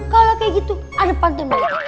kalo kaya gitu ada parten mereka